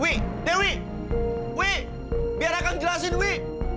wi dewi wi biar akang jelasin wi